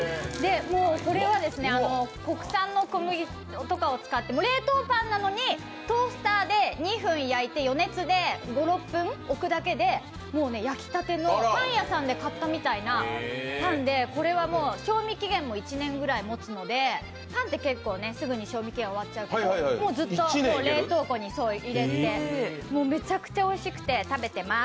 これは国産の小麦とかを使って冷凍パンなのにトースターで２分焼いて余熱で５６分おくだけでもう焼きたてのパン屋さんで買ったみたいなパンでこれはもう賞味期限も１年ぐらいもつのでパンって結構、すぐに賞味期限終わっちゃうけど冷凍庫に入れてめちゃくちゃおいしくて食べてます。